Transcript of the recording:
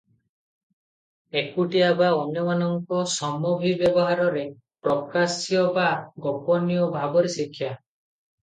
ଏକୁଟିଆ ବା ଅନ୍ୟମାନଙ୍କ ସମଭିବ୍ୟବହାରରେ ପ୍ରକାଶ୍ୟ ବା ଗୋପନୀୟ ଭାବରେ ଶିକ୍ଷା, ।